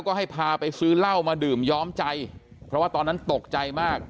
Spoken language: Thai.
ก็ให้พาไปซื้อเหล้ามาดื่มย้อมใจเพราะว่าตอนนั้นตกใจมาก